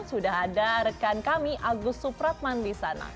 sudah ada rekan kami agus supratman di sana